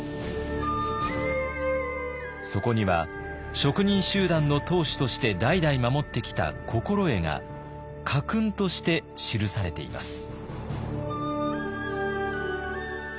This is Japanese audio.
そこには職人集団の当主として代々守ってきた心得が家訓として記されています。